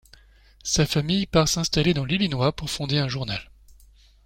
Sa famille part s’installer dans l’Illinois pour fonder un journal.